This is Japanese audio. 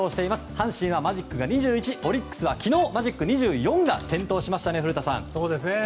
阪神はマジック２１オリックスは昨日マジック２４が点灯しました。